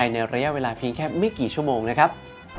ในระยะเวลาเพียงแค่ไม่กี่ชั่วโมงนะครับ